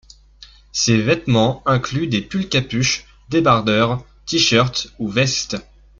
Ces vêtements incluent des pulls-capuche, débardeurs, t-shirts ou vestes.